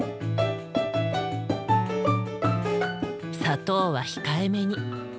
砂糖は控えめに。